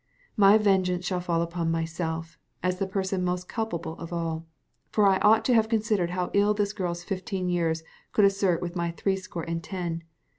My vengeance shall fall upon myself, as the person most culpable of all, for I ought to have considered how ill this girl's fifteen years could assort with my threescore and ten.